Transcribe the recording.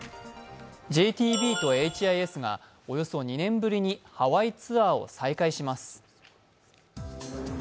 ＪＴＢとＨＩＳがおよそ２年ぶりにハワイツアーを再開します。